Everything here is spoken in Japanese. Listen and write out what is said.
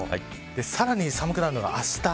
さらに寒くなるのがあした。